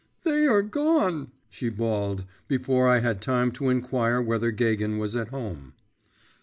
… 'They are gone!' she bawled, before I had time to inquire whether Gagin was at home.